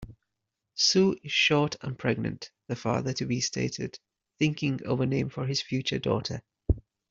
"Sue is short and pregnant", the father-to-be stated, thinking of a name for his future daughter.